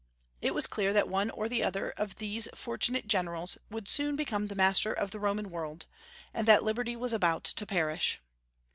It was clear that one or the other of these fortunate generals would soon become the master of the Roman world, and that liberty was about to perish.